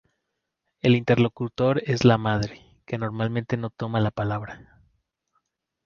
El interlocutor es la madre, que normalmente no toma la palabra.